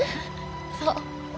そう。